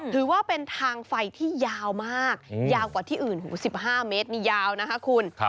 ถือว่าเป็นทางไฟที่ยาวมากยาวกว่าที่อื่นหู๑๕เมตรนี่ยาวนะคะคุณ